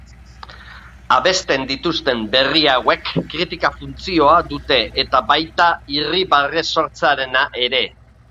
Abesten dituzten berri hauek kritika funtzioa dute eta baita irribarrea sortzearena ere.